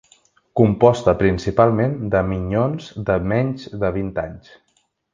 Composta principalment de minyons de menys de vint anys.